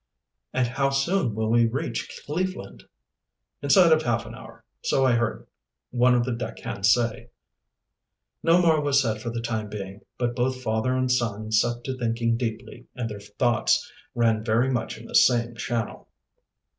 "And how soon will we reach Cleveland?" "Inside of half an hour, so I heard one of the deck hands say." No more was said for the time being, but both father and son set to thinking deeply, and their thoughts ran very much in the same channel.